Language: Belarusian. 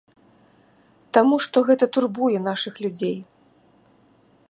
Таму што гэта турбуе нашых людзей.